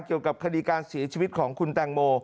เกี่ยวกับคดีการเสียชีวิตของคุณแตงโม